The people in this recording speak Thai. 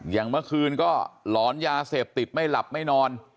อย่างเมื่อคืนก็หลอนยาเสพติดไม่หลับไม่นอน